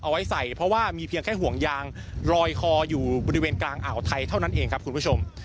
เอาไว้ใส่เพราะว่ามีเพียงแค่ห่วงยางลอยคออยู่บริเวณกลางอ่าวไทยเท่านั้นเองครับคุณผู้ชม